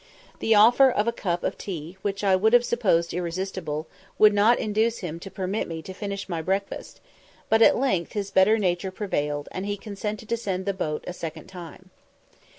The offer of a cup of tea, which I would have supposed irresistible, would not induce him to permit me to finish my breakfast, but at length his better nature prevailed, and he consented to send the boat a second time.